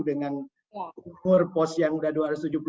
dengan ukur pt post yang sudah dua ratus tujuh puluh empat